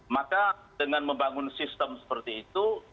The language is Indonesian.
maka dengan membangun sistem seperti itu